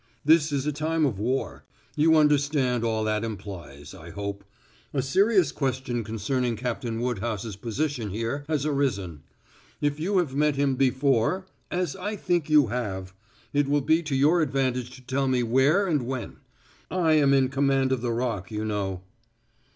This is a time of war; you understand all that implies, I hope. A serious question concerning Captain Woodhouse's position here has arisen. If you have met him before as I think you have it will be to your advantage to tell me where and when. I am in command of the Rock, you know."